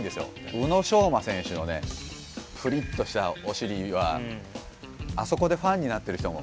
宇野昌磨選手のプリっとしたお尻はあそこでファンになっている人も。